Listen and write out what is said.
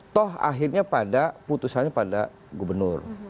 toh akhirnya pada putusannya pada gubernur